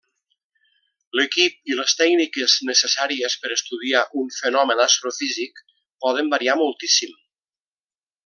L'equip i les tècniques necessàries per estudiar un fenomen astrofísic poden variar moltíssim.